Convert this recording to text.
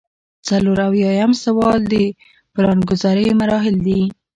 څلور اویایم سوال د پلانګذارۍ مراحل دي.